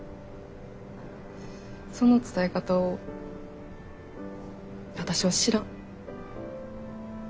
その伝え方を私は知らん。